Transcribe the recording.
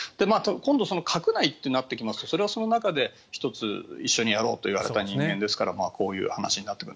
今度、閣内となってくるとそれはその中で１つ、一緒にやろうと言われた人間ですからこういう話になってくる。